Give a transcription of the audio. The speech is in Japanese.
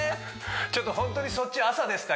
ちょっとホントにそっち朝ですか？